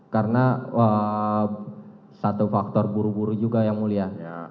karena satu faktor buru buru juga yang mulia